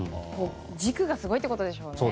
軸がすごいということでしょうね。